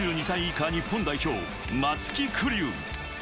２２歳以下、日本代表・松木玖生。